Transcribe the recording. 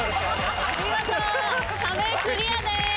見事壁クリアです。